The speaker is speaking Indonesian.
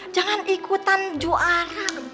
jangan ikutan juara